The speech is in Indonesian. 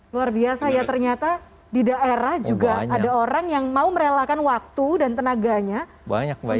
luar biasa ya ternyata di daerah juga ada orang yang mau merelakan waktu dan tenaganya banyak